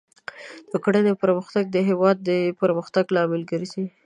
د کرنې پرمختګ د هېواد د پرمختګ لامل ګرځي.